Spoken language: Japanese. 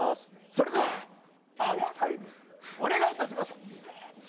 それでは暗記タイムお願いいたします